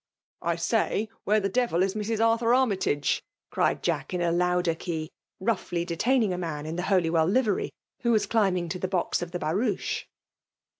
I 8ay> where the devil ia Mrs. Arlhnr Armytage?" cried Jack in a kmder key, roaghly detaining a man in the HolyweM livery, who was climbing to the box of the Iwffoacbp.